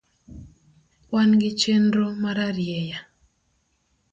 Wangi chenro mararieya.